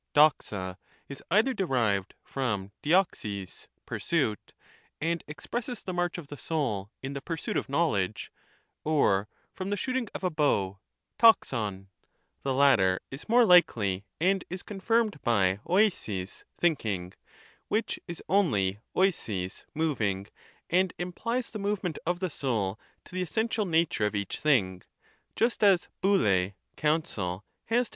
Ao^j, is either derived from dtoj^ig (pursuit), and ex presses the march of the soul in the pursuit of knowledge, or from the shooting of a bow {to^ov) ; the latter is more likely, and is confirmed by olrjaig (thinking), which is only olaig (moving), and imphes the movement of the soul to the essential nature of each thing — just as (3ovkT] (counsel) has to pov^v.